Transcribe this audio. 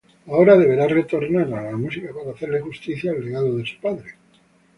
Ahora deberá retornar a la música para hacerle justicia al legado de su padre.